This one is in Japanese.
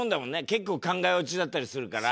結構考えオチだったりするから。